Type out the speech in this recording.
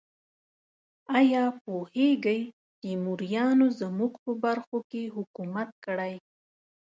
ایا پوهیږئ تیموریانو زموږ په برخو کې حکومت کړی؟